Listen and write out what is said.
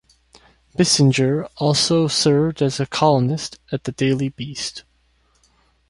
Bissinger also served as a columnist at "The Daily Beast".